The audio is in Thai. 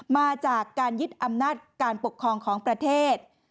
มาจากการยึดอำนาจการปกครองของประเทศ